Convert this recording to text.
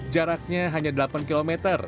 jaraknya hanya delapan km